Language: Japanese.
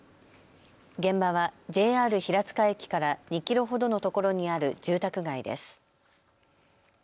現場はＪＲ平塚駅から２キロほどのところにある住宅街です。